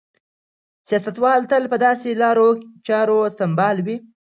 سیاستوال تل په داسې لارو چارو سمبال وي.